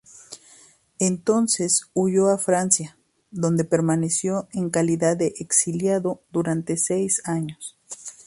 Entonces huyó a Francia, donde permaneció en calidad de exiliado durante seis años.